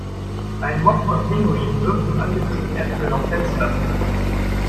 Ein Mob von Pinguinen wirft mit angebissenen Äpfeln auf Fenster.